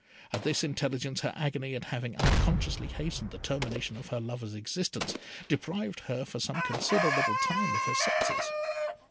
At this intelligence her agony at having unconsciously hastened the termination of her lover's existence, deprived her for some considerable time of her senses.